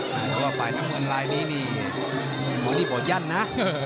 แต่ว่าฝ่ายน้ำมือลายนี้นี่มันนี่บ่ยั่นนะ